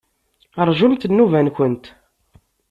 Rjumt nnuba-nkent.